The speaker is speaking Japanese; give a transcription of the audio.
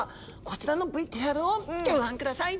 こちらのＶＴＲをギョ覧ください。